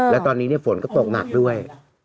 และตอนนี้ฝนก็ตกหนักด้วย